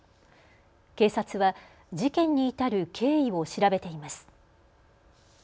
警察は事件に至る経緯を調べています。